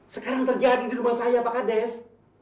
sekarang terjadi di rumah saya pak kades